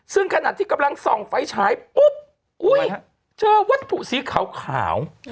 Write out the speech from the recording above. ซึ่งขณะที่กำลังส่องไฟฉายปุ๊บเจอวัตถุสีขาว